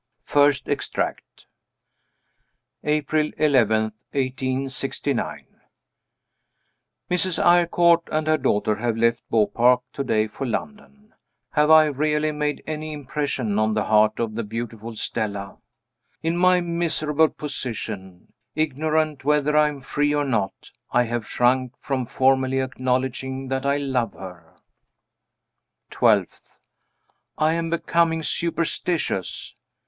First Extract. April 11th, 1869. Mrs. Eyrecourt and her daughter have left Beaupark to day for London. Have I really made any impression on the heart of the beautiful Stella? In my miserable position ignorant whether I am free or not I have shrunk from formally acknowledging that I love her. 12th. I am becoming superstitious!